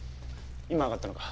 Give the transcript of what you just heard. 今上がったのか？